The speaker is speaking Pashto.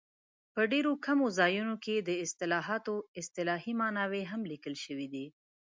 په ډېرو کمو ځایونو کې د اصطلاحاتو اصطلاحي ماناوې هم لیکل شوي دي.